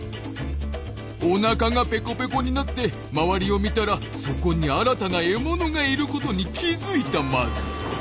おなかがペコペコになって周りを見たらそこに新たな獲物がいることに気付いたマズ。